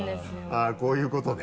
あぁこういうことね。